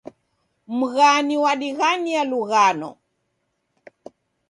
Mghani wadighania lughano